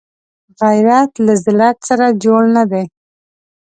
غیرت له ذلت سره جوړ نه دی